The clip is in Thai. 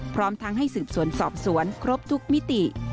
พร้อมทั้งให้สืบสวนสอบสวนครบทุกมิติ